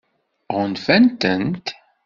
Ɣunfant-tent?